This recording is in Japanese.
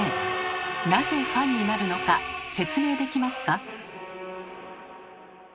なぜファンになるのか説明できますか？